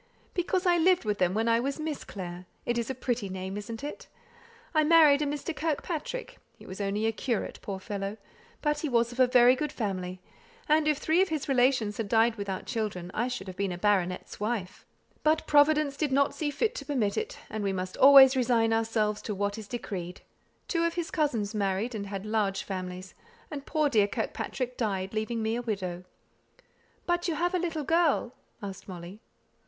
"Because I lived with them when I was Miss Clare. It is a pretty name, isn't it? I married a Mr. Kirkpatrick; he was only a curate, poor fellow; but he was of a very good family, and if three of his relations had died without children I should have been a baronet's wife. But Providence did not see fit to permit it; and we must always resign ourselves to what is decreed. Two of his cousins married, and had large families; and poor dear Kirkpatrick died, leaving me a widow." "You have a little girl?" asked Molly.